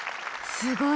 すごい！